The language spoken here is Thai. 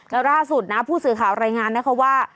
แล้วล่าสุดนะผู้สื่อข่าวรายงานนะคะว่า